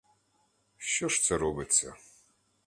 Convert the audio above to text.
Що ж це робиться.